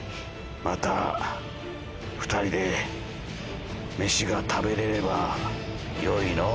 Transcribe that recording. また２人でめしが食べれればよいのぉ。